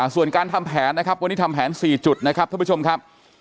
ส่วนการทำแผนนะครับวันนี้ทำแผน๔จุดนะครับท่านผู้ชมครับ